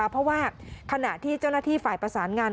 เพราะว่าขณะที่เจ้าหน้าที่ฝ่ายประสานงาน